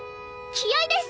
気合です！